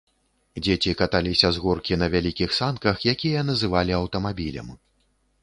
Дзеці каталіся з горкі на вялікіх санках, якія называлі аўтамабілем.